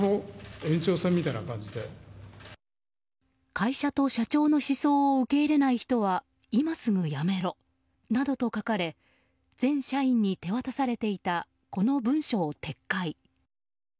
会社と社長の思想を受け入れない人は今すぐ辞めろなどと書かれ全社員に手渡されていたこの文書を撤回。